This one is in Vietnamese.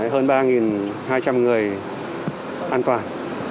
hơn ba hai trăm linh người an toàn